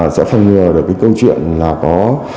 sẽ phân ngừa được cái câu chuyện là có